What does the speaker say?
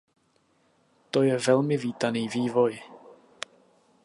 To je velmi vítaný vývoj.